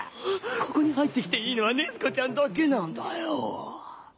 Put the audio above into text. ここに入ってきていいのは禰豆子ちゃんだけなんだよ。